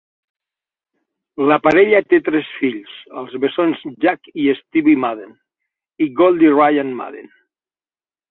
La parella té tres fills, els bessons Jack i Stevie Madden, i Goldie Ryan Madden.